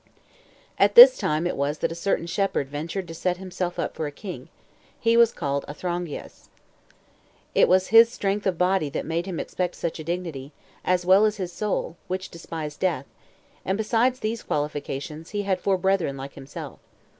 3. At this time it was that a certain shepherd ventured to set himself up for a king; he was called Athrongeus. It was his strength of body that made him expect such a dignity, as well as his soul, which despised death; and besides these qualifications, he had four brethren like himself.